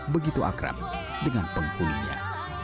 begitu akrab dengan penghuni nya